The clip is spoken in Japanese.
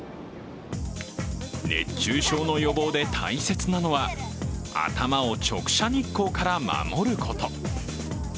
熱中症の予防で大切なのは頭を直射日光から守ること。